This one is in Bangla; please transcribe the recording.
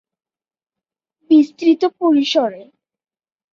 বিস্তৃত পরিসরের।